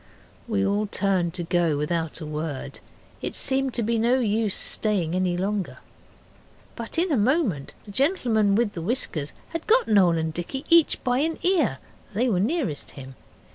We all turned to go without a word, it seemed to be no use staying any longer. But in a moment the gentleman with the whiskers had got Noel and Dicky each by an ear they were nearest him.